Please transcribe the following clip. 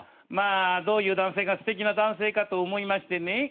まあどういう男性が素敵な男性かと思いましてね。